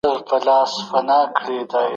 د علم برکت انسان ته وقار ورکوي.